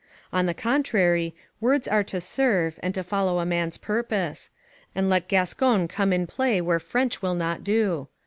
On the contrary, words are to serve, and to follow a man's purpose; and let Gascon come in play where French will not do.